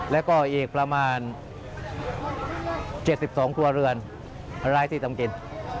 แล้วก็อีกประมาณ๗๒ครัวเรือนร้ายที่ทำกิน